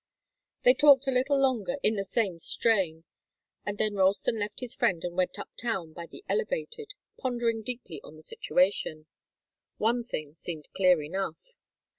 They talked a little longer in the same strain, and then Ralston left his friend and went up town by the Elevated, pondering deeply on the situation. One thing seemed clear enough.